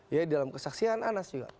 ya dalam kesaksian anas juga